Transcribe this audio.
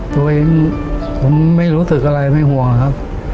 ตัวเองผมไม่รู้สึกอะไรไม่ห่วงครับ